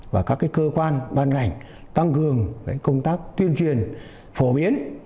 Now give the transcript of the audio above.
và các cơ quan ban ngành tăng cường công tác tuyên truyền phổ biến